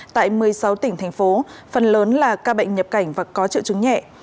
tại một mươi sáu tỉnh thành phố phần lớn là ca bệnh nhập cảnh và có triệu chứng nhẹ